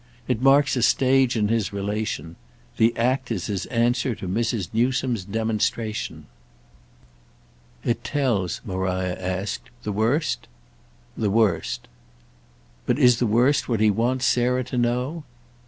It marks a stage in his relation. The act is his answer to Mrs. Newsome's demonstration." "It tells," Maria asked, "the worst?" "The worst." "But is the worst what he wants Sarah to know?"